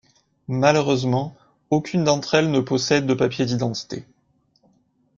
Malheureusement, aucune d'entre elles ne possèdent de papiers d'identités.